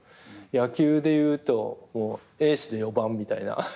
野球で言うとエースで４番みたいな。ハハハハハハ。